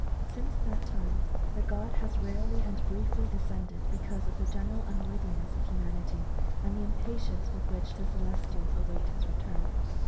Since that time the god has rarely and briefly de scended, because of the general unworthiness of humanity, and the impatience with which the celestials await his return.